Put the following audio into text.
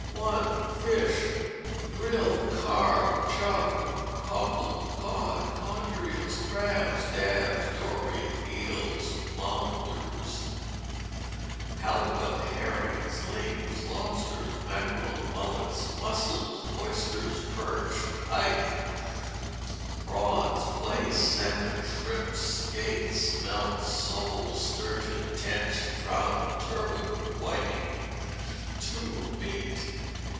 i. Fish. Brill, carp, chub, cockles, cod, conger eels, crabs, dabs, dory, eels, floandeis, halibut, herrings, ling, lobsters, mackerel, mullets, mussels, oysters, perch, pike, prawns, plaice, salmon, shrimps, skate, smelts, soles, sturgeon, tench, trout, turbot, whiting. ii. Meat.